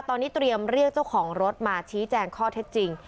ตอนนี้เตรียมเรียกเจ้าของรถมาชี้แจงข้อเท็จจริง